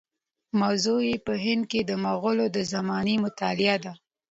موضوع یې په هند کې د مغولو د زمانې مطالعه ده.